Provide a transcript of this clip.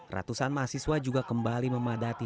ratusan mahasiswa juga kembali memadati